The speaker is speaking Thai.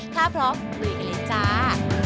ถ้าพร้อมกลัวเงินเลยจ้า